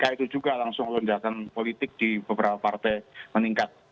kemudian terjadi kemungkinan untuk meluncarkan politik di beberapa partai meningkat